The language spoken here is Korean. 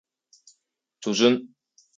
조준!